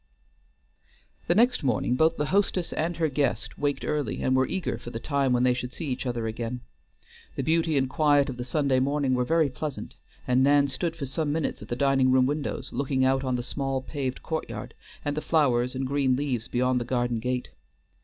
The next morning both the hostess and her guest waked early, and were eager for the time when they should see each other again. The beauty and quiet of the Sunday morning were very pleasant, and Nan stood for some minutes at the dining room windows, looking out on the small paved courtyard, and the flowers and green leaves beyond the garden gate.